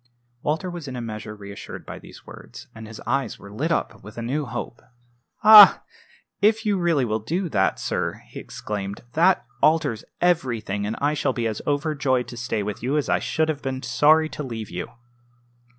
Walter was in a measure reassured by these words, and his eyes were lit up with a new hope. "Ah! if you really will do that, sir!" he exclaimed. "That alters everything; and I shall be as overjoyed to stay with you as I should have been sorry to leave you."